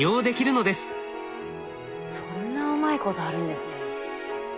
そんなうまいことあるんですね。